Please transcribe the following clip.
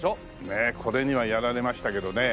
ねえこれにはやられましたけどね。